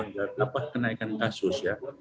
jadi apa kenaikan kasus ya